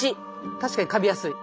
確かにカビやすい。